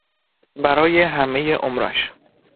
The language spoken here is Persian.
برای همهی عمرش